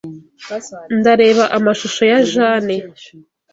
Ndareba amashusho ya Jane